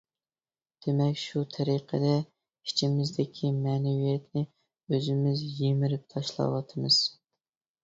دېمەك، شۇ تەرىقىدە ئىچىمىزدىكى مەنىۋىيەتنى ئۆزىمىز يىمىرىپ تاشلاۋاتىمىز.